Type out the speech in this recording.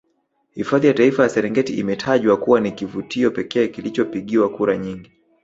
Hifadhi ya Taifa ya Serengeti imetajwa kuwa ni kivutio pekee kilichopigiwa kura nyingi